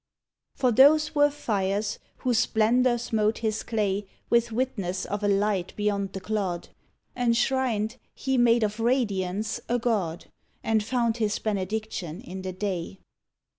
For those were fires whose splendor smote his clay With witness of a light beyond the clod; Enshrined, he made of radiance a god. And found his benediction in the day.